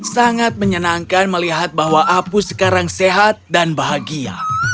sangat menyenangkan melihat bahwa apu sekarang sehat dan bahagia